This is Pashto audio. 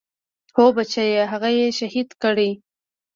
هو بچيه هغه يې شهيده کړه.